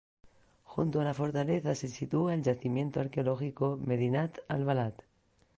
Junto a la fortaleza se sitúa el yacimiento arqueológico Madinat Albalat.